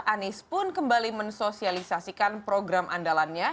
anies pun kembali mensosialisasikan program andalannya